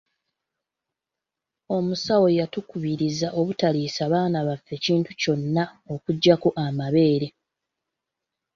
Omusawo yatukubiriza obutaliisa baana baffe kintu kyonna okuggyako amabeere.